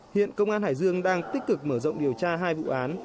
hiện công an hải dương đang tích cực mở rộng điều tra hai vụ án